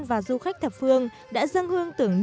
với tổng số vốn hơn sáu tỷ đồng